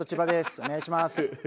お願いします。